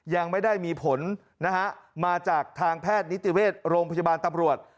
ยังไม่ได้มีผลนะฮะมาจากทางแพทย์นิติเวชโรงพยาบาลตำรวจ